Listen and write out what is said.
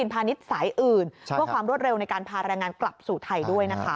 เพื่อความรวดเร็วในการพาแรงงานกลับสู่ไทยด้วยนะคะ